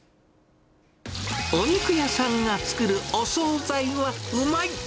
お肉屋さんが作るお総菜はうまい！